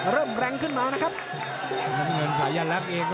เริ่มแรงขึ้นมานะครับ